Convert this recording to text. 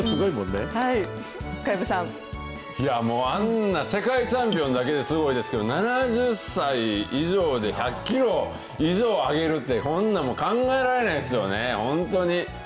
いやー、もう、あんな世界チャンピオンだけですごいですけど、７０歳以上で１００キロ以上あげるって、こんなんもう考えられないですよね、本当に。